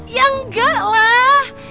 ya enggak lah